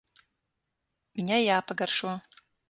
Viņai jāpagaršo.